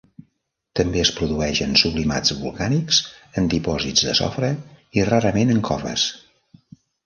També es produeix en sublimats volcànics, en dipòsits de sofre i, rarament, en coves.